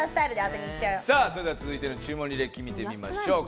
それでは続いての注文履歴見てみましょう。